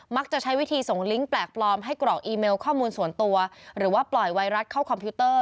ใช้วิธีส่งลิงก์แปลกปลอมให้กรอกอีเมลข้อมูลส่วนตัวหรือว่าปล่อยไวรัสเข้าคอมพิวเตอร์